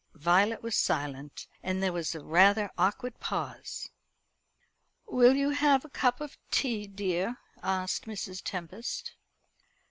Violet was silent, and there was a rather awkward pause. "Will you have a cup of tea, dear?" asked Mrs. Tempest.